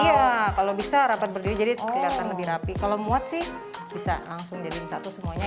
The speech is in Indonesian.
iya kalau bisa rapat berdiri jadi kelihatan lebih rapi kalau muat sih bisa langsung jadiin satu semuanya